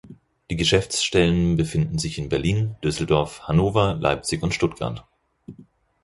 Die Geschäftsstellen befinden sich in Berlin, Düsseldorf, Hannover, Leipzig und Stuttgart.